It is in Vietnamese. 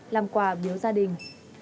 làm quà biếu gia đình